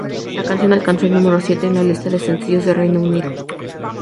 La canción alcanzó el número siete en la lista de sencillos de Reino Unido.